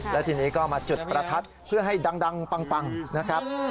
และทีนี้ก็มาจุดประทัดเพื่อให้ดังปังนะครับ